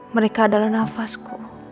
mereka adalah nafasku